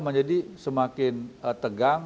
menjadi semakin tegang